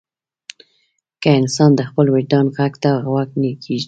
که انسان د خپل وجدان غږ ته غوږ کېږدي.